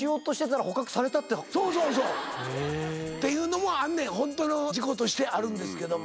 そうそうそう！っていうのもあんねんホントの事故としてあるんですけども。